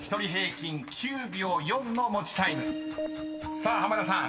［さあ濱田さん